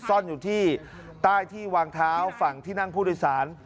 ซ่อนอยู่ที่ใต้ที่วางเท้าฝั่งที่นั่งผู้โดยสาร